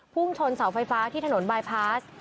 พุ่งชนเสาไฟฟ้าที่ถนนบายพาส